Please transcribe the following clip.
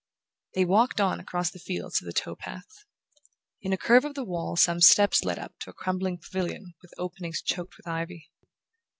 They walked on across the fields to the tow path. In a curve of the wall some steps led up to a crumbling pavilion with openings choked with ivy.